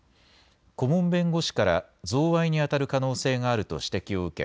顧問弁護士から贈賄にあたる可能性があると指摘を受け